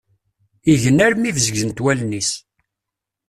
Igen armi bezgent wallen-is.